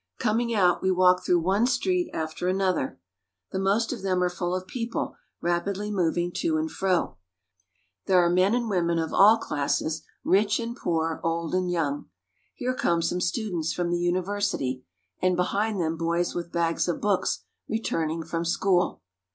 Coming out, we walk through one street after another. The most of them are full of people rapidly moving to and fro. There are men and women of all classes, rich and poor, old and young. Here come some students from the university, and behind them boys with bags of books re turning from school.